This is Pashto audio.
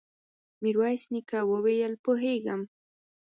ميرويس نيکه وويل: پوهېږم.